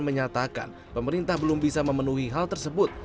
menyatakan pemerintah belum bisa memenuhi hal tersebut